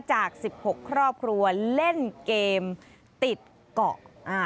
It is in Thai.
จาก๑๖ครอบครัวเล่นเกมติดเกาะ